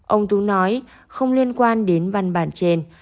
ông tú nói không liên quan đến văn bản trên